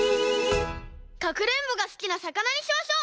かくれんぼがすきなさかなにしましょう。